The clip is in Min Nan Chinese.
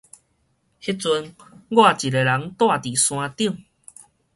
彼陣我一个人蹛佇山頂